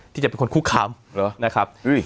ที่จะเป็นคนคุกคามเหรอนะครับ